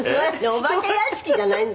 お化け屋敷じゃないんだから」